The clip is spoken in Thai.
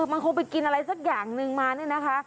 มันคงไปกินอะไรสักอย่างนึงมาเนี่ยนะคะ